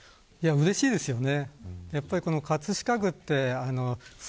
うれしいですよね。